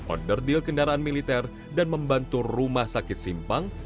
onderdeal kendaraan militer dan membantu rumah sakit simpang